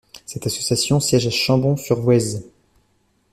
Cette association siège à Chambon-sur-Voueize.